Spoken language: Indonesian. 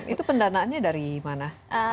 itu pendanaannya dari mana